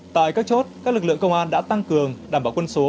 tại các chốt các lực lượng công an đã tăng cường đảm bảo quân số